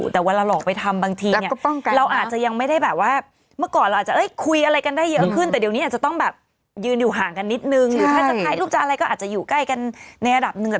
แต่ว่าเราออกไปทำบางที